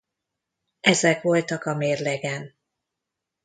Ezek voltak a mérlegen.